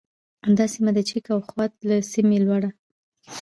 دا سیمه د چک او خوات له سیمې لوړه